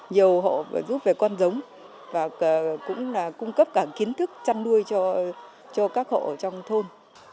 nhiều hộ giúp về con giống và cũng là cung cấp cả kiến thức chăn nuôi cho các hộ ở trong thôn